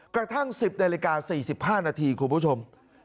กระทั่ง๑๐นาฬิกา๔๕นาทีคุณผู้ชม